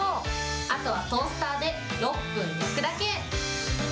あとはトースターで６分焼くだけ。